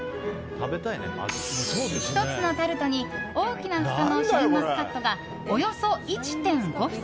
１つのタルトに大きな房のシャインマスカットがおよそ１．５房。